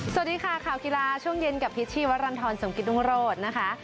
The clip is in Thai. สวัสดีค่ะข่าวกีฬาช่วงเย็นกับพิษชีวรรณฑรสมกิตรุงโรธนะคะ